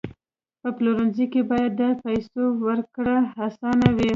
په پلورنځي کې باید د پیسو ورکړه اسانه وي.